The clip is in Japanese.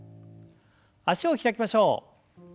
脚を開きましょう。